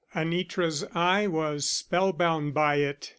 Anitra's eye was spellbound by it.